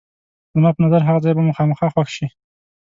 زما په نظر هغه ځای به مو خامخا خوښ شي.